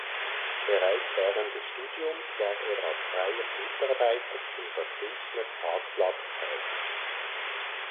Bereits während des Studiums war er als freier Mitarbeiter für das "Bündner Tagblatt" tätig.